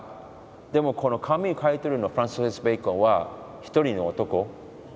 でもこの紙に描いてるのはフランシス・ベーコンは一人の男。